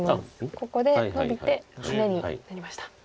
ここでノビてハネになりました。